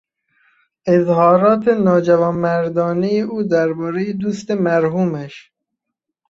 اظهارات ناجوانمردانهی او دربارهی دوست مرحومش.